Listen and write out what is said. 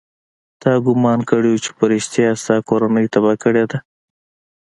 تا ګومان کړى و چې په رښتيا يې ستا کورنۍ تباه کړې ده.